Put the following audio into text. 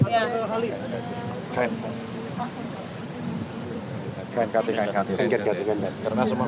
mungkin dari tempat yang lain pak